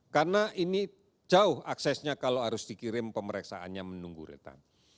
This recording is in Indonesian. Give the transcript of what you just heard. karena ini jauh aksesnya kalau harus dikirim pemeriksaannya menunggu retan